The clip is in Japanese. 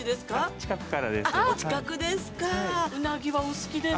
◆近くからです。